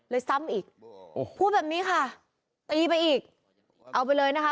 ซ้ำอีกพูดแบบนี้ค่ะตีไปอีกเอาไปเลยนะคะ